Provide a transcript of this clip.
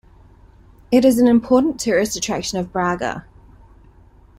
It is an important tourist attraction of Braga.